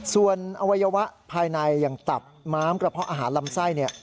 ส่วนอวัยวะภายในอย่างตับม้ามกระเพาะอาหารลำไส้